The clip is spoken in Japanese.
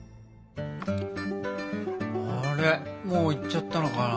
もう行っちゃったのかな？